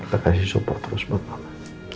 kita kasih support terus buat mama